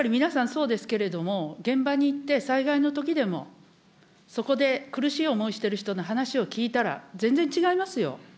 そうですけれども、現場に行って、災害のときでも、そこで苦しい思いしてる人の話を聞いたら、全然違いますよ。